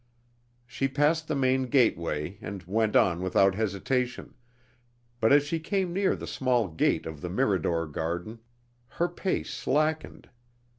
She passed the main gateway, and went on without hesitation; but as she came near the small gate of the Mirador garden, her pace slackened.